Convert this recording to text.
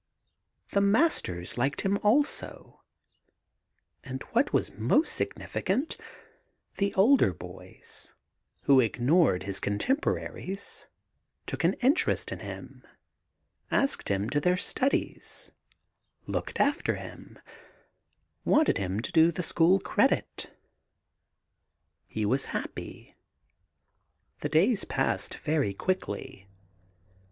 The masters liked him also ; and, what was more signifi cant, the older boys, who ignored his contemporaries, took an interest in him, asked him to their studies, looked after him, wanted him to do the school credit He was happy. The days passed very quickly.